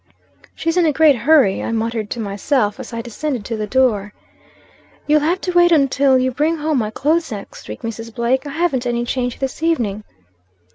"'She's in a great hurry,' I muttered to myself as I descended to the door. "'You'll have to wait until you bring home my clothes next week, Mrs. Blake.' I havn't any change this evening.'